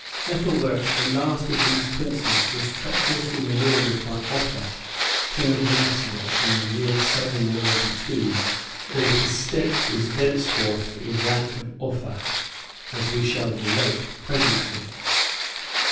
Ethelbert, the last of these princes, was treacherously murdered by Offa, king of Mercia, in the year 792, and his state was thenceforth [*mited] with that of Offa, as we shall relate presently.